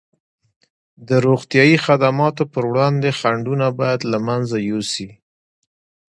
د روغتیايي خدماتو پر وړاندې خنډونه باید له منځه یوسي.